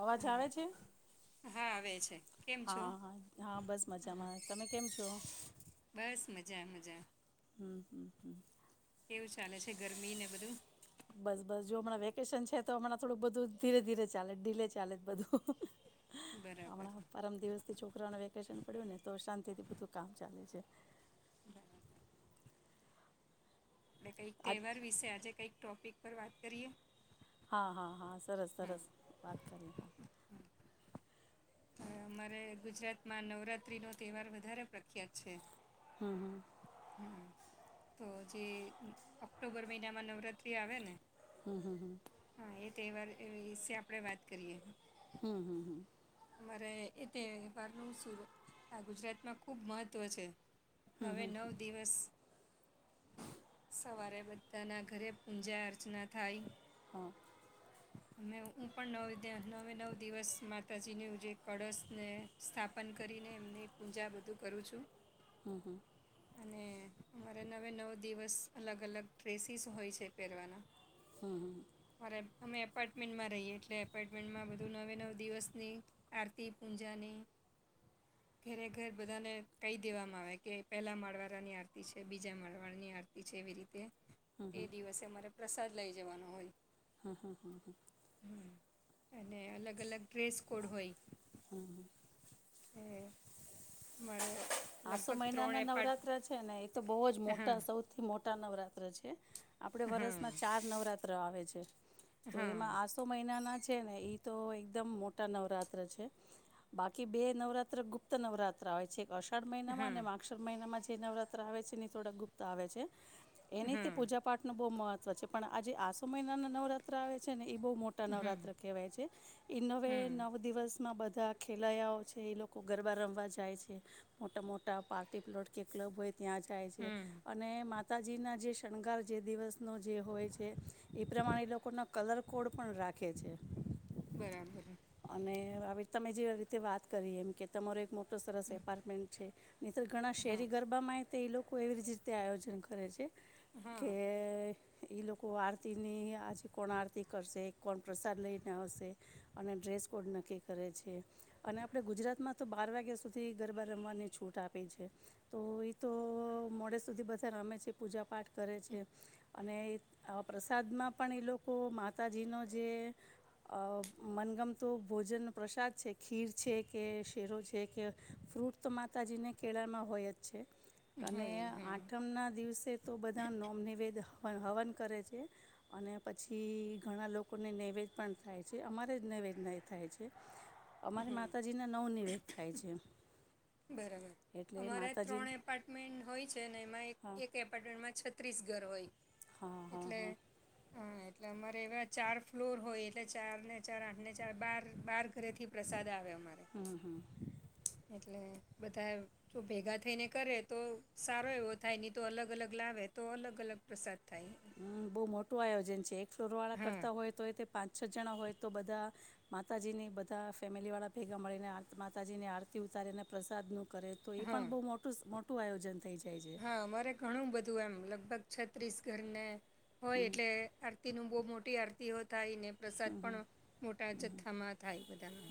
અવાજ હા આવે છે. હા આવે છે કેમ છો હા હા, બસ મજામાં તમે કેમ છો? તો બસ મજા મજા હ હ હ કેવું ચાલે છે ગરમી ને બધું? બસ બસ જો હમણાં વેકેશન છે તો, હમણાં થોડુંક બધું ધીરે ધીરે ચાલે, ડીલે ચાલે છે બધું. બરાબર હમણાં પરમ દિવસથી છોકરાને વેકેશન પડ્યું ને તો શાંતિથી બધું કામ ચાલે છે. બરાબર એટલે કઈક આજ તહેવાર વિશે આજે કઈક ટોપિક વાત કરીએ હા હા હા સરસ હા સરસ વાત કરીએ અમારે ગુજરાતમાં નવરાત્રીનો તેહેવાર વધારે પ્રખ્યાત છે. હમ હમ હમ તો જે ઓક્ટોબર મહિનામાં નવરાત્રી આવે ને [inaudible] તેવાર એવિશે આપણે વાત કરીએ હમ હમ હમ અમારે એ તહેવારનું સુરત આ ગુજરાતમાં ખૂબ મહત્ત્વ છે. નવે નવ દિવસ સવારે બધાના ઘરે પૂજા અર્ચના થાય. હા ને હું પણ ન નવે નવ દિવસમાં માતાજીની જે કળશને સ્થાપન કરીને એમની પૂજા બધું કરું છું. હમ હમ અને અમારે નવે નવ દિવસ અલગ અલગ ડ્રેસીસ હોય છે પહેરવાના હમ હમ અમારે અમે એપાર્ટમેન્ટમાં રહીએ એટલે એપાર્ટમેન્ટમાં બધું નવે નવ દિવસ ની આરતી પૂજાની ઘરે ઘર બધાને કહી દેવામાં આવે કે પહેલાં માળવારાની આરતી છે બીજા માળવાડાની આરતી છે એવી રીતે એ દિવસે મારે પ્રસાદ લઈ જવાનો હોય. હં હં. અને અલગ-અલગ ટ્રેસ કોડ હોય. હમ. એ મારે આસો લગભગ મહિના ત્રણ ના એપાર્ટ નવરાત્ર છે ને એ તો બહુ જ હા મોટા સૌથી મોટા નવરાત્ર છે. આપડે હા વરસમાં ચાર નવરાત્ર ત્ર આવે છે. હા તો એમાં હા આસો મહિનાના જ છે ને એ તો એકદમ મોટા નવરાત્ર છે. બાકી બે નવરાત્ર ગુપ્ત નવરાત્ર આવે છે. એક આસો મહિના માં હા અને માક્ષર મહિનામાં જ જે નવરાત્રા આવે છે ને થોડાક ગુપ્ત આવે છે. એની તે હા પૂજા પાઠ નું બહુ મહત્ તો છે પણ આજે આસો મહિનાના નવરાત્ર આવે છે ને એ બહુ મોટા હા નવરાત્ર કહેવાય છે ઇ નવે નવ દિવસ માં બધા ખેલયાઓ છે એ લોકો ગરબા રમવા જાય છે. મોટા મોટા પાર્ટી પ્લોટ કે ક્લબ હોય ત્યાં જાય છે. હા અને માતા માતાજીના જે શ્રિગાર જે દિવસનો જે હોય છે એ પ્રમાણે એ લોકોના કલર કોડ પણ રાખે છે. બરાબર. અને તમે જે રીતે વાત કરી એમ કે તમારો એક મોટો તો સરસ હમ, એપાર્ટમેન્ટ છે. મિત્ર ઘણા હા શહેરી ગરબામાં તે એલોકો એવીજ રીતે આયોજન કરે છે. કે હા એલોકો આરતીની આજે કોણ આરતી કરશે. કોણ પ્રસાદ લઈને આવશે. અને ડ્રેસ કોડ નક્કી કરે છે. અને આપણે ગુજરાતમાં તો બાર વાગ્યા સુધી ગરબા રમવાની છૂટ આપી છે. તો એ તો મોડે સુધી બધા રમે છે. પૂજા પાઠ કરે છે. અને આ પ્રસાદમાં પણ એ લોકો માતાજીનો જે અ મનગમતું ભોજનનો પ્રસાદ છે. ખીર છે કે શેરો છે કે ફ્રૂટ તો માતાજીને કેળામાં હોય જ છે. અને હોય જ હા આઠમના દિવસે તો બધા નોમ નિવેદ પણ હવન કરે છે અને પછી ઘણા લોકોને નૈવેદ્ય પણ થાય છે. અમારે જ નૈવેદ્ય નહીં થાય છે. અમારી હમ માતાજીના નવ નિવેદ થાય છે. બરાબર એટલે અમારે માતાજી ત્રણ એપાર્ટમેન્ટ હોય છે ને એમાં એક હા એક એપાર્ટમેન્ટમાં છત્રીસ ઘર હોય. હા હા એટલે હા [unintelligible] ટલે અમારે એવા ચાર ફ્લોર હોય એટલે ચાર ને ચાર આઠ ને ચાર બાર, બાર ઘરેથી પ્રસાદ આવે. અમારે હમ્મ, હમ્મ. એટલે બધા જો ભેગા થઈને કરે તો સારો એવો થાય નહી તો અલગ અલગ લાવે તો અલગ અલગ પ્રસાદ. થાય હમ્મ, બહુ મોટું આયોજન છે. એક ફ્લોર વાળા હા કરતા હોય તો તે પાંચ છ જણા હોય તો બધા માતાજીની બધા ફેમિલીવાળા ભેગા મળીને આ માતાજીને આરતી ઉતારીને પ્રસાદનું કરે તો એ હા પણ બહુ મોટુંસ મો કુ આયોજન થઈ જાય છે હા અમારે ઘણું બધું એમ લગભગ છત્રીસ ઘર ને હોય એટલે આરતી નું બહુ મોટી આરતીઓ થાય ને પ્રસાદ પણ મોટા જથ્થામાં થાય બધાનો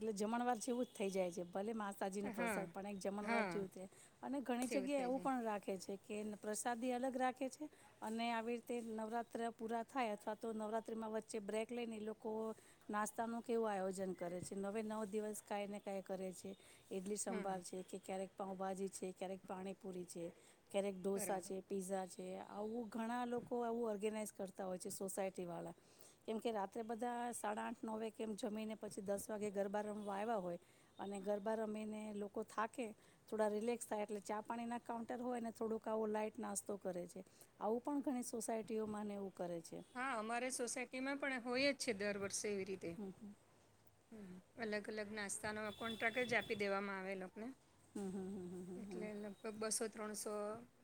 એટલે જમણવાર જેવું જ થઈ જાય છે. ભલે માતાજીનો હા પ્રસાદ પણ એક જમણવાર હા જેવ છે અને ઘણી જગ્યાએ થઈ એવું જાય પણ રાખે છે. કે, પ્રસાદી અલગ રાખે છે, અને આવી રીતે નવરાત્ર પુરા થાય અથવા તો નવરાત્રિમાં વચ્ચે બ્રેક લઈને લોકો નાસ્તાનું કેવું આયોજન કરે છે નવે નવ દિવસ કાંઈ ને કાં કરે છે. એટલી હા સંભાળ હા, છે કે ક્યારેક પાઉભાજી છે ક્યારેક પાણીપુરી છે. ક્યારેક ઢોસાા બરાબર છે પીઝા છે. એ આવું ઘણા લોકો આવું ઓર્ગેનાઈઝ કરશે. તા હોય છે સોસાયટીવાળા કેમકે રાત્રે બધા સાડા આઠ ન વે કેમ જમીને પછી દસ વાગે ગરબા રમવા આવ્યા હોય અને ગરબા રમીને લોકો થાકે થોડા રિલેક્સ થાય એટલે ચા પાણીના કાઉન્ટર હોય ને થોડુંક આવો લાાઈટ નાસ્તો કરે છે આવું પણ ઘણી સોસાયટીઓમાંને કરે હા અમારે સોસાયટીમાં પણ હોય જ છે દર વર્ષે એવી રીતે અલગ અલગ નાસ્તાનો કોન્ટ્રાક્ટ જ આપી દેવામાં આવેલોને? એટલે લગભગ બસો ત્રણસો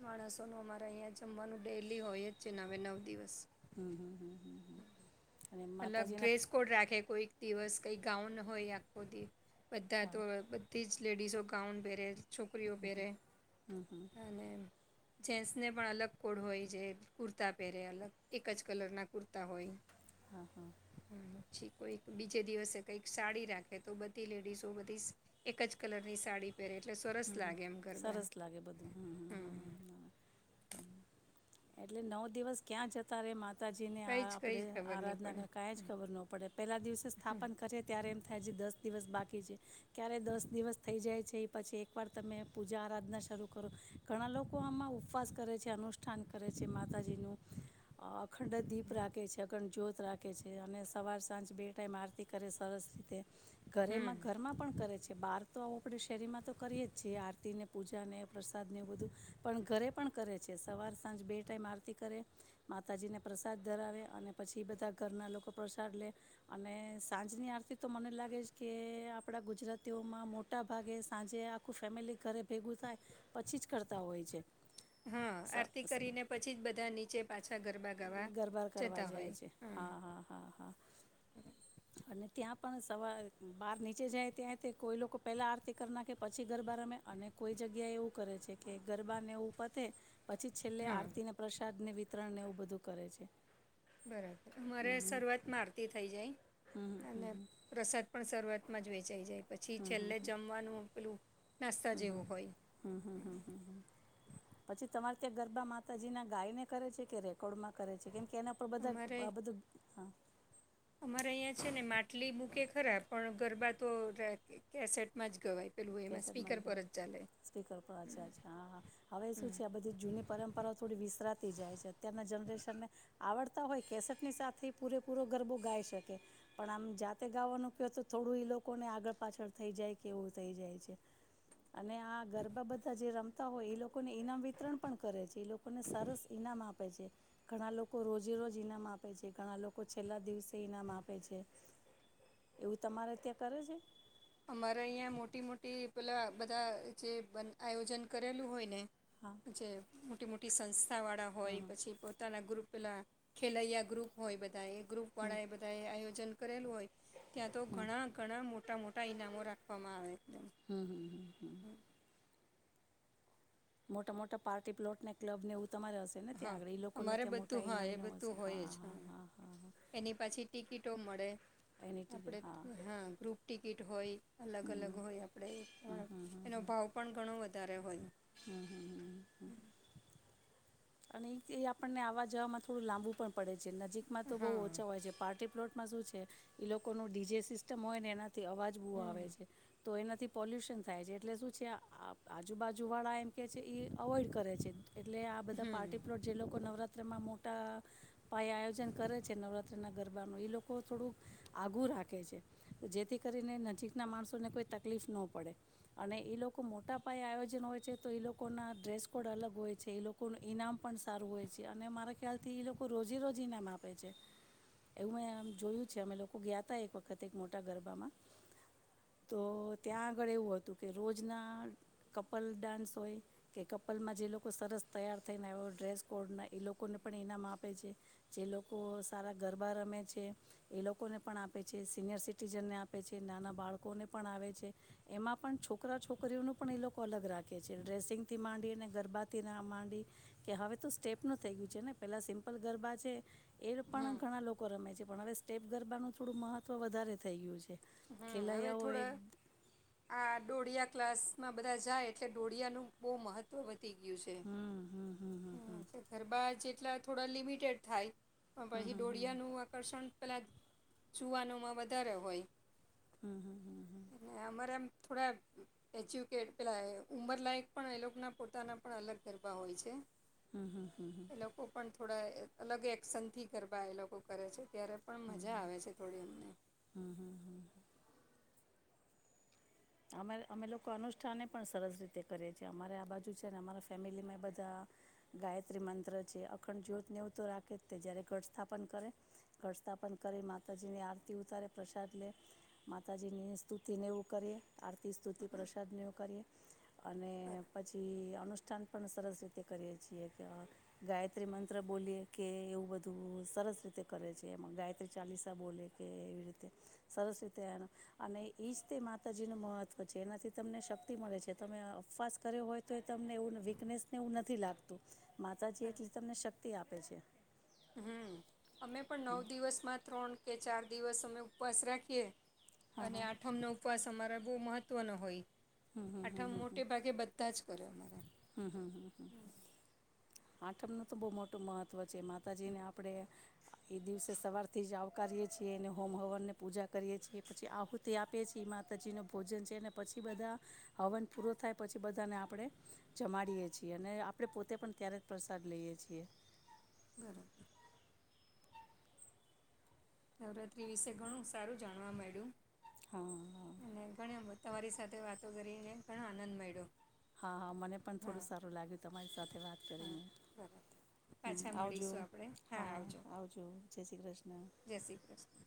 માણસોનું અમારે અહીંયા જમવાનું ડેલી હોય જ છે ને હવે નવ દિવસ હ હ અને અલગ માતાજીના ડ્રેસ કોડ રાખે કોઈક દિવસ કઈ ગાઉન હોય આખો દિવસ બધા હા તો બધી જ લેડડીઝ ઓ ગાઉન પેરે છોકરીઓ પહેરે અને જેન્સને પણ અલગ કોડ હોય જે કુર્તા પહેરે અલગ એક જ કલરના કુર્તા હોય હા હા [unintelligible] કોઈક બીજે દિવસે કંઈક સાડી રાખે તો બધી લેડીઝો બધી એક જ કલર ની સાડી પહેરે એટલે સરસ લાગે એમ ગરબા સરસ લાગે બધું હમ હમ હમ હમ એટલે નવ દિવસ ક્યાં જતા રે મા માતાજી ને કઈ જ કઈ આપડે જ ખબર નહીં આરાધના પડે કર કં જ ખબર ન પડે પેલા દિવસે સ્થાપન કરીએે ત્યારે એમ થાય છે દસ દિવસ બાકી ક્યારે દસ દિવસ થઈ જાય છે એ પછી ઉપ તમે પૂજા આરાધના શરૂ કરો ઘણા લોકો આમાં ઉપવાસ કરે છે અનુષ્ઠાન કરે છે માતાજીનું અખંડ દીપ રાખે છે અખંડ જ્યોત રાખે છે અને સવાર સાંજ બે ટાઈમ આરતી કરે સરસ રીતે ઘરેમાં હમ ઘરમાં પણ કરે છે કે બહાર તો આવ આપડ શેરીમાં તો કરીએ જ છીએ આરતીને પૂજાને પ્રસાદને એવું બધું પણ ઘરે પણ કરે છે સવાર સાંજ બે ટાઈમ આરતી કરે માતાજીને પ્રસાદ ધરાવે અને પછી બધા ઘરના લોકો પ્રસાદ લે અને સાંજની આરતી તો મને લાગે છે કે આપણા ગુજરાતીઓમાં મોટાભાગે સાંજ જે આખું ફેમિલી ઘરે ભેગું થાય પછી જ કરતા હોય છે. હા આરતી કરીને પછી જ બધા નીચે પા ગરબાર કરવા જાય છે હા હા હા હા અને ત્યાં પણ સવાર બહાર નીચે જાય ત્યાંથી કોઈ લોકો પેલા આરતી કર ના કે પછી ગરબા રમે અને કોઈ જગ્યા એવું કરે છે કે ગરબા ને એવું પતે પછી છેલ્લે હા આરતીને પ્રસાદ ને ત્રણેનેવ દુ કરે છે. બરાબર અમારે શરૂઆત મા આરતી થઇ જાય. હમ્મ હમ્મ હમ્મ ણ શરૂઆતમાં જ વેચાઈ જાય. પછી છેલ્લે હમ જમવાનું પેલું નાસ્તા હમ જેવું હોય. હમ તે ગરબા માતાજીના ગાયને કરે છે કે રેકોર્ડમાં કરે છે કેમ કે એના પર બધા આ બધું હા અમારા અહં છે ને માટલી મૂકે ખરા પણ ગરબા તો [unintelligible] કેસેટમાં જ ગવાય. પેલું એમાં કેસેટ સ્પીકર પર જ ચાલે [unintelligible] સપિકર ચા ચા હા હા હવે શું હમ છે આ બધી જૂની પરંપરાઓ થોડી વિસરાત થેય જાય છે અતારના જનરેશન ને આવડતા હોય કેસેટ ની સાથે પૂરેપૂરો ગરબો ગાઈ શકે પણ આમ જાતે ગાવાનું ક તો થોડું લોકોને આગળ પાછળ થઈ જાય કે એવું થઈ જાય. છે. અને આ ગરબા બધા જે રમતા હોય એ લોકોને ઈનામ વિતરણ પણ કરે છે. તે લોકોને સરસ ઇનામ આપે આપ છે ઘણા લોકો રોજે રોજ ઈનામ આપે છે ઘણા લોકો છેલ્લા દિવસે ઈનામ આપે છે એવું તમારે ત્યાં કરે છે. અમારે અહી મોટી મોટી પેલા બધા જે આયોજન કરેલું હોય ને હા જે મોટી મોટી સંસ્થા વાળા હમ હોય હમ પછી પોતાના ગ્રુપ પેલા ખેલૈયા ગ્રુપ હોય બધા એ ગ્રુપ વાળા એ બધાએ આયો ભજન કરેલું હોય. ત્યાં તો ઘણા ઘણા મોટા ટા મોટા ઈનામો રાખવામાં આવે. હમ હમ હ. હમ. મોટા મોટા પાર્ટી પ્લોટને ક્લબને એવુ હા અમારે બધું હા એ ઇનામને હશે બધું હોય હા જ હ હા હા હા એની પાછી ટિકિટો મળે હા એની ટીવી આપણે હા ગ્રુપ ટિકિટ હોય અલગ અલગ હમ હોય આપણે એનો ભાવ પણ ઘણો વધે દરે હો અને એ એ આપણને આવા જવામાં થોડું લાંબુ પણ પડે નજીકમાં તો બહુ હા ઓછા હોય છે પાર્ટી પ્લોટ માં શું છે એ લોકોનું ડીજેે સિસ્ટમ હોય ને એના તે અવાજ બહુ આવે હમ છે તો એનાથી પોલ્યુશન થાય છે એટલે શું છે આ આજુબાજુવાળા એમ કહે છે એ અવોઇડ કરે છે એટલે આ બધા હમ પાર્ટી પ્લોટ જે લોકો નવરાત્ર ચત્રમાં મોટા ઉપાય આયોજન કરે છે નવરાત્રી ના ગરબાનું એ લોકો થોડુંક આગું રાખે છે જેથી કરીને નજીકના માણસોને કોઈ તકલીફ નો પડે અને એ લોકો મોટા પાયે આયોજન હોય છે તો એ લોકોના ડ્રેસ કોડ અલગ હોય છે એ લોકો ઇનામ પણ સારું હોય છે અને મારા ખ્યાલથી એ લોકો રોજે રરોજ ઇનામ આપે છે એવું મેંમ જોયું છે અમે લોકો ગયા હતા એક વખત એક મોટા ગરબામાં તો ત્યાં આગળ એવું હતું કે રોજના કપલ ડાન્સ હોય કે કપલમાં જે લોકો સરસ તૈયાર થઈને એ ડ્રેસ કોડના એ લોકોને પણ ઇનામ આપે છે જે લોકો સારા ગરબા રમે છે એ લોકોને પણ આપે છે સિનિયર સિટીઝનને આપે છે નાના બાળકોને પણ આવે છે એમાં પણ છોકરા છોકરીઓનું પણ એ લોકો અલગ રાખે છે ડ્રેસિંગથી માંડી અને ગરબાથી ના માંડી કે હવે તો સ્ટેપ નું થઈ ગયું છે ને પેલા સિમ્પલ ગરબા છે એ હમ પણ ઘણા લોકો રમે છે પણ હવે સ્ટટેપ ગરબાનું થોડું મહત્વ વધારે થઇ ગયું છે. હમ હવે ખેલૈયાઓ થોડ એક આ ડોઢીયા ક્લાસ માં બધા જાય એટલે ડોઢીયાનું બહુ મહત્વ વધ હમ હમ હમ હમ હમ ગયું છે ગરબા જે એટલા થોડા લિમિટેડ થાય. પણ ભછ ડોળિયા ન આકર્ષણ પેલાં જુવાનોમાં વધારે હોય. હમ અને અમારે એમ થોડા એજ્યુકેટ પેલા ઉંમરલાયક પણ એ લોકોના પોતાના પણ અલગ ગરબા હોય છે. હમ હમ હ. એ લોકો પણ થોડા અલગ એક્શનથી ગરબા એ લોકો કરે છે. તયારે પણ મજા આવે છે થોડી અમને અમે અમે લોકો અનુષ્ઠાને પણ સરસ રીતે કરીએ છીએ અમારે આ બાજુ છે ને અમારા ફેમિલીમાં એ બધા ગાયત્રી મંત્ર છે અખંડ જ્યોતને એવું તો રાખે જ તે જ્યારે ઘટસ્થાપન કરે ઘટસ્થાપન કરી માતાજીની આરતી ઉતારે પ્રસાદ લે માતાજીની સ્તુતિને એવું કરીએ. આરતી સ્તુતિ પ્રસાદને કરીએ. અને બરાબર. પછી અ પણ સરસ રીતે કરીએ છીએ કે ગાયત્રી મંત્ર બોલીએ કે એવું બધું સરસ રીતે કરે છે એમાં ગાયત્રી ચાલીસા બોલે કે એવી રીતે સરસ રીતે અને એઈજ તે માતા નું મહત્વ છે એનાથી તમને શક્તિ મળે છે તમે અપવાસ કર્યો હોય તો એ તમને એવું વીકનેસ ને એવું નથી લાગતું. માતાજી એટલી તમને શક્ તે આપે છે. હમ અમે પણ નવ દિવસમાં ત્રણ કે ચાર દિવસ અમે ઉપવાસ રાખીએ. હા અને હા આઠમ નો ઉપવાસ અમારા બહુ મહત્વનો હોય. આઠા મોટે ભાગે બધા જ કર્યા મારા હમ હા હ. આઠમનું તો બહુ મોટું મહત્ત્વ છે માતાજીને આપણે એ દિવસે સવારથી જ આવકારીએ છીએ અને હોમ હવનને પૂજા કરીએ છીએ પછી આહુતિ આપીએ છીએ માતાજીનું ભોજન છે ને પછી બધા હવન પૂરો થાય પછી બધાને આપણે જમાડીએ છીએ અને આપણે પોતે પણ ત્યારે જ પ્રસાદ લઈએ છીએ. બરાબર. નવરાત્રી વિશે ઘણું સારું જાણવા માંડ્યું. હા હા અને ઘણ બધું તમારી સાથે વાતો કરીને ઘણો આનંદ મળ્યો. હા હા મને પણ હા થોડું સારું લાગ્યું તમારી સાથે વાત હા કરીને બરાબર હમ પાછા આવજો મળીશું આપણે હા આવજો જય શ્રી કૃષ્ણ. જય શ્રી કૃષ્ણ.